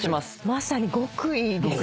まさに極意ですね。